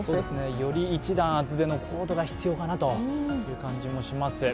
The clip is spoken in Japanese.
より一段厚手のコートが必要かなという感じもします。